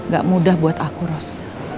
gak mudah buat aku ros